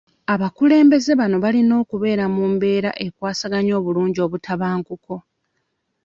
Abakulembeze bano balina okubeera mu mbeera ekwasaganya obulungi obukuubagano.